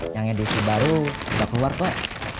yang edisi baru udah keluar kok